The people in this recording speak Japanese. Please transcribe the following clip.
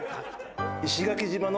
石垣島の。